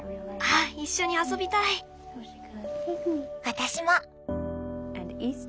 あぁ一緒に遊びたい！